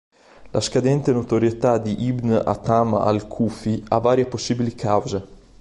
La scadente notorietà di Ibn Aʿtham al-Kūfī ha varie possibili cause.